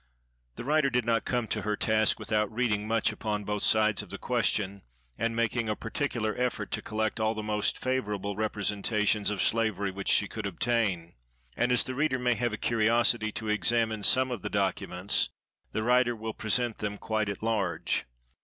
The writer did not come to her task without reading much upon both sides of the question, and making a particular effort to collect all the most favorable representations of slavery which she could obtain. And, as the reader may have a curiosity to examine some of the documents, the writer will present them quite at large.